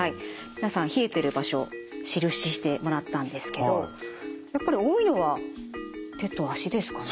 皆さん冷えてる場所印してもらったんですけどやっぱり多いのは手と足ですかね。